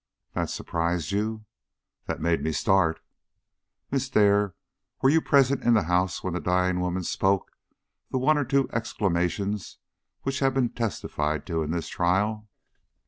"That surprised you?" "That made me start." "Miss Dare, were you present in the house when the dying woman spoke the one or two exclamations which have been testified to in this trial?"